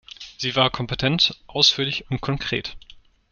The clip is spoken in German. Sie war kompetent, ausführlich und konkret.